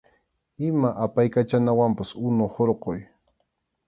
Ima apaykachanawanpas unu hurquy.